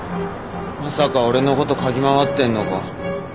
まさか俺のこと嗅ぎ回ってんのか？